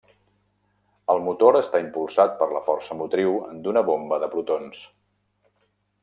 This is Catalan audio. El motor està impulsat per la força motriu d'una bomba de protons.